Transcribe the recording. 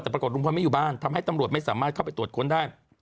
แต่ปรากฏลุงพลไม่อยู่บ้านทำให้ตำรวจไม่สามารถเข้าไปตรวจค้นได้